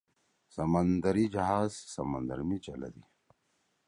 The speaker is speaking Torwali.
سمندری جہاز سمندر می چَلَدی۔